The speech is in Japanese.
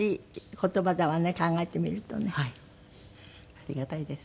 ありがたいです。